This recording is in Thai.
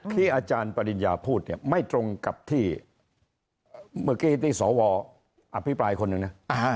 ที่อาจารย์ปริญญาพูดเนี่ยไม่ตรงกับที่เมื่อกี้ที่สวอภิปรายคนหนึ่งนะ